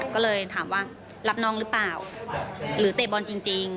ก็เลยถามว่ารับน้องหรือเปล่าหรือเตะบอลจริง